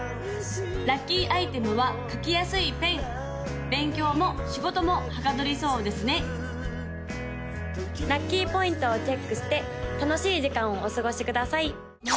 ・ラッキーアイテムは書きやすいペン勉強も仕事もはかどりそうですね・ラッキーポイントをチェックして楽しい時間をお過ごしください！